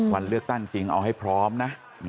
วันเลือกตั้งจริงเอาให้พร้อมนะ